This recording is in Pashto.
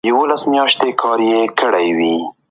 د نجونو لیلیه په ناسمه توګه نه رهبري کیږي.